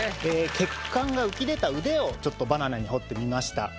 血管が浮き出た腕をちょっとバナナに彫ってみました。